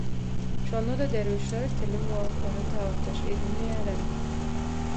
Şonda-da derwüşler telim wagt ony tabakdaş edinmeýärler